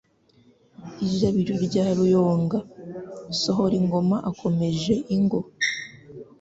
Ijabiro rya Ruyonga. Sohoringoma akomeje ingo